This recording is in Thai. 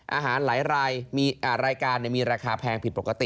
อาหารหลายรายการมีราคาแพงผิดปกติ